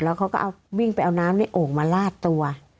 แล้วเขาก็เอาวิ่งไปเอาน้ำในโอ่งมาลาดตัว